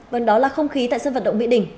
vâng đó là không khí tại sân vận động mỹ đình